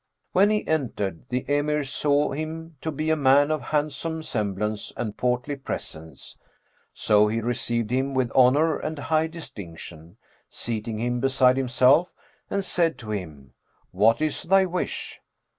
When he entered, the Emir saw him to be a man of handsome semblance and portly presence; so he received him with honour and high distinction, seating him beside himself, and said to him, "What is thy wish?"